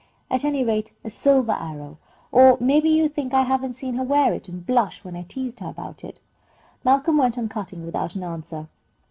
"At any rate, a silver arrow. Oh, maybe you think I haven't seen her wear it, and blush when I teased her about it." Malcolm went on cutting, without an answer.